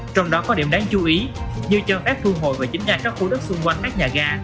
trong đó có điểm đáng chú ý như cho phép thu hồi và chính ngay các khu đất xung quanh các nhà ga